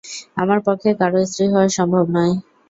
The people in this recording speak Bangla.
আমার পক্ষে কারো স্ত্রী হওয়া সম্ভব নয়।